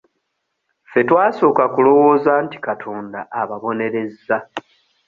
Ffe twasooka kulowooza nti Katonda ababonerezza.